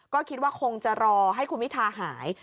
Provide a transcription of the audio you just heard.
ก็คิดว่าคงจะรอให้คุณพิทาหาย